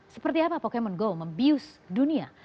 seperti apa pokemon go membius dunia